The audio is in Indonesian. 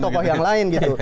tokoh yang lain gitu